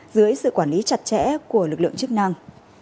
dưới sự quản lý chặt chẽ của lực lượng chức năng